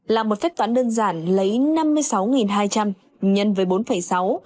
là một phép toán đơn giản lấy năm mươi sáu hai trăm linh nhân với bốn sáu